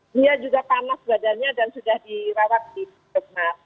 dia juga panas badannya dan sudah dirawat di jogmar